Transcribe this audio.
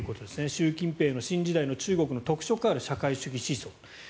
習近平の新時代の中国の特色ある社会主義思想。